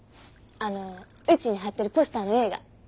あのうちに貼ってるポスターの映画。